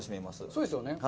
そうですよね。